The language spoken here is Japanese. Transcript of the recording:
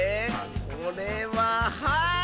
これははい！